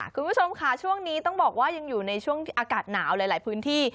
คุณผู้ชมค่ะช่วงนี้เย็นอยู่ช่องอากาศหนาวในหลายพื้นที่